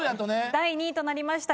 第２位となりました